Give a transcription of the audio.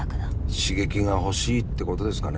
刺激が欲しいってことですかね。